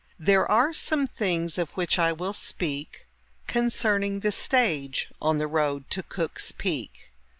There are some things of which I will speak Concerning the stage on the road to Cook's Peak.